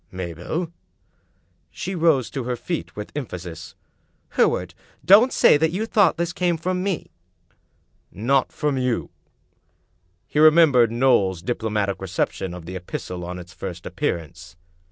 "Mabel!" She rose to her feet with emphasis. " Hereward, don't say that you thought this came from me!" "Not from you?" He remembered Knowles's diplo matic reception of the epistle on its first appearance.